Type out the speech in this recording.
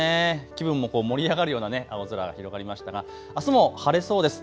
気分も盛り上がるような青空広がりましたが、あすも晴れそうです。